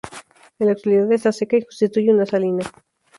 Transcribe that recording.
En la actualidad está seca y constituye una salina.